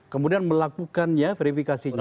kemudian melakukannya verifikasinya